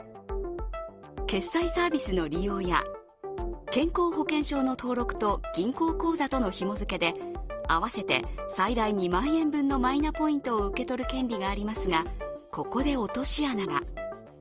決済サービスの利用や健康保険証の登録と銀行口座とのひも付けで合わせて最大２万円分のマイナポイントを受け取る権利がありますがここで落とし穴が。